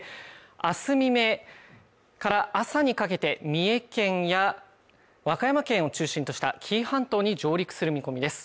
あす未明から朝にかけて三重県や和歌山県を中心とした紀伊半島に上陸する見込みです